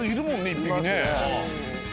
１匹ね。